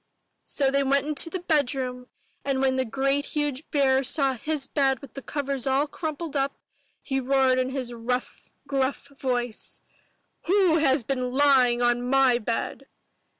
'* So they all went into the bedroom and when the great huge bear saw his bed with the covers all crumpled up, he roared in his rough, gruff voice, "WHO HAS BEEN LYING ON MY BED?"